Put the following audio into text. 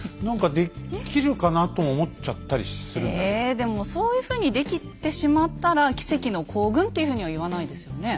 でもそういうふうにできてしまったら「奇跡の行軍」っていうふうには言わないですよね。